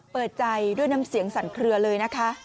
เปิดใจด้วยน้ำเสียงสั่นเคลือเลยนะคะ